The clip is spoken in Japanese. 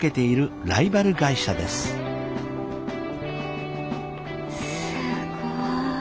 すごい。